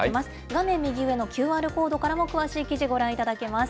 画面右上のＱＲコードからも詳しい記事、ご覧いただけます。